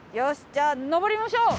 じゃあ上りましょう！